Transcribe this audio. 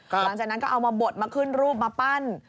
หลังจากนั้นก็เอามาบดมาขึ้นรูปมาปั้น